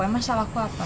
emang salah aku apa